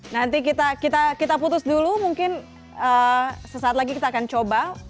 nanti kita putus dulu mungkin sesaat lagi kita akan coba